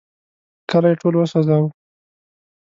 کلی ټول وسوځاوه.